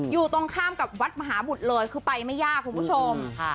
อยู่ตรงข้ามกับวัดมหาบุตรเลยคือไปไม่ยากคุณผู้ชม